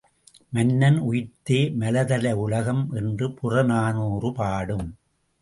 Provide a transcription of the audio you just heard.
மன்னன் உயிர்த்தே மலர்தலை உலகம் என்று புறநானூறு பாடும்.